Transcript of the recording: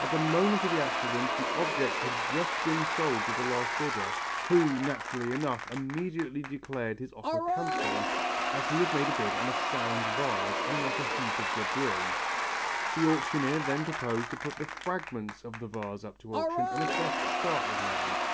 At the moment of the accident the object had just been sold to the last bidder, who naturally enough, immediately declared his offer cancelled, as he had made a bid on a sound vase and not a heap of debris. The auctioneer then proposed to put the fragments of the vase up to auction and a fresh start was made.